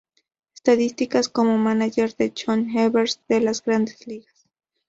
Estadísticas como mánager de Johnny Evers en las Grandes Ligas.